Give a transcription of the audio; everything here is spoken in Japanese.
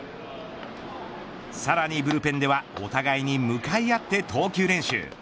さらにブルペンではお互いに向かい合って投球練習。